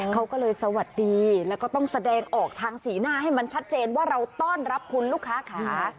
เขาก็เลยสวัสดีแล้วก็ต้องแสดงออกทางสีหน้าให้มันชัดเจนว่าเราต้อนรับคุณลูกค้าขา